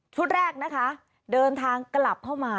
แรกนะคะเดินทางกลับเข้ามา